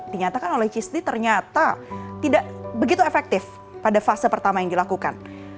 dinyatakan oleh cisdi ternyata tidak begitu efektif pada fase pertama yang dilakukan